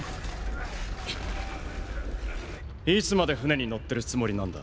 いつまで船に乗ってるつもりなんだ。